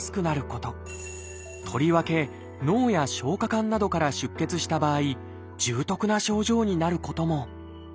とりわけ脳や消化管などから出血した場合重篤な症状になることも。